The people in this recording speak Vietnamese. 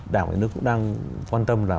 đảng của nhà nước cũng đang quan tâm là